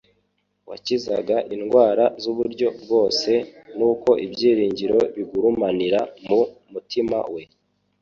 wakizaga indwara z'uburyo bwose, nuko ibyiringiro bigurumanira mu mutima we.